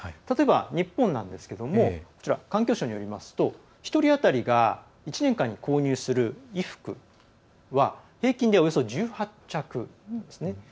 例えば日本なんですけど環境省によりますと１人当たりが１年間に購入する衣服は平均でおよそ１８着ですね。